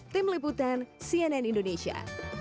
tim liputan cnn indonesia